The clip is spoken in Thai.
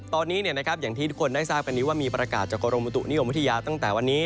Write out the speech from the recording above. ตอนนี้อย่างที่ทุกคนได้ทราบกันนี้ว่ามีประกาศจากกรมบุตุนิยมวิทยาตั้งแต่วันนี้